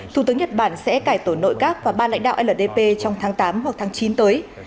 thủ tướng nhật bản sẽ cải tổ nội các và ba lãnh đạo ldp trong tháng tám hoặc tháng chín tới